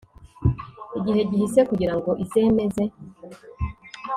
igihe gihise kugira ngo izemeze